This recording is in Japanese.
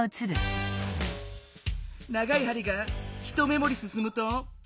長いはりが１目もりすすむと１分！